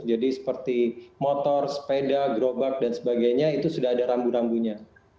jadi seperti motor sepeda grobak dan sebagainya itu sudah ada rambu rambunya